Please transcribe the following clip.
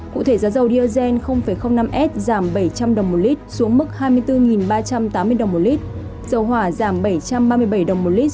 cụ thể giá dầu diazen năm s giảm bảy trăm linh đồng một lít xuống mức hai mươi bốn ba trăm tám mươi đồng một lít